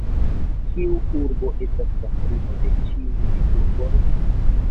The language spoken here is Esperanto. Kiu urbo estas patrino de ĉiuj urboj?